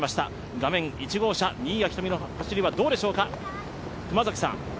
画面１号車、新谷仁美の走りはどうでしょうか。